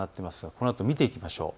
このあと見ていきましょう。